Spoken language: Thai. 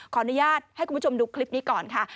อนุญาตให้คุณผู้ชมดูคลิปนี้ก่อนค่ะ